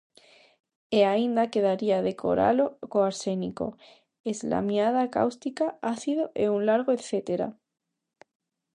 E aínda quedaría decoralo co arsénico, eslamiada cáustica, ácido e un largo etcétera.